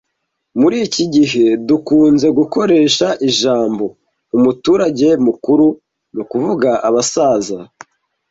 Muri iki gihe, dukunze gukoresha ijambo "umuturage mukuru" mu kuvuga abasaza.